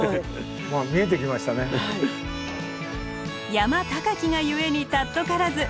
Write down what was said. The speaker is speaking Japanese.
山高きが故に貴からず。